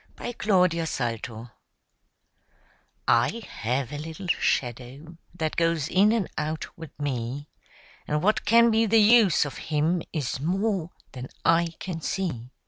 [Pg 20] MY SHADOW I have a little shadow that goes in and out with me, And what can be the use of him is more than I can see.